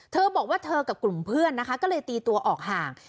เธอบอกว่าเธอกับกลุ่มเพื่อนนะคะก็เลยตีตัวออกห่าง